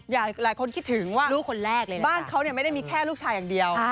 อยากให้หลายคนคิดถึงว่าบ้านเขาไม่ได้มีแค่ลูกชายอย่างเดียว